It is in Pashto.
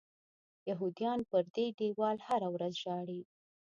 یهودیان پر دې دیوال هره ورځ ژاړي.